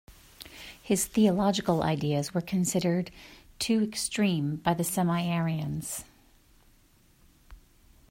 His theological ideas were considered too extreme by the Semi-Arians.